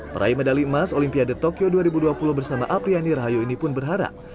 peraih medali emas olimpiade tokyo dua ribu dua puluh bersama apriani rahayu ini pun berharap